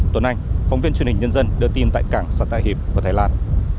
tuấn anh phóng viên truyền hình nhân dân đưa tin tại cảng sản tài hiệp của thái lan